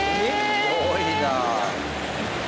すごいな。